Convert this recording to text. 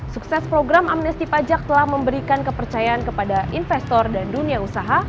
sukses program amnesti pajak telah memberikan kepercayaan kepada investor dan dunia usaha